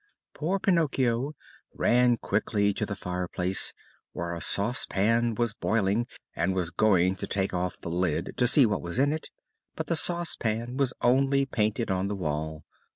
Poor Pinocchio ran quickly to the fireplace, where a saucepan was boiling, and was going to take off the lid to see what was in it, but the saucepan was only painted on the wall.